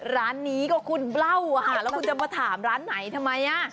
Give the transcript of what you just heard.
ร้านนี้ก็คุณเล่าอะค่ะแล้วคุณจะมาถามร้านไหนทำไมอ่ะ